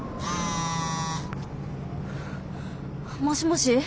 もしもし？